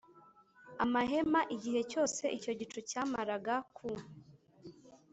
amahema Igihe cyose icyo gicu cyamaraga ku